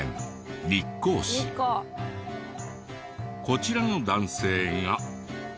こちらの男性が。